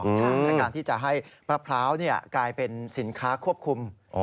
ในการที่จะให้มะพร้าวกลายเป็นสินค้าควบคุม